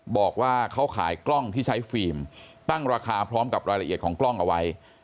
บอกว่าเขาขายกล้องที่ใช้ฟิล์มตั้งราคาพร้อมกับรายละเอียดของกล้องเอาไว้